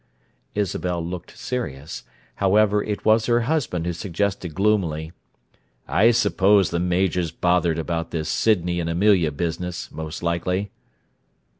Isabel looked serious; however, it was her husband who suggested gloomily, "I suppose the Major's bothered about this Sydney and Amelia business, most likely."